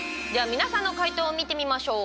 皆さんの解答を見てみましょう。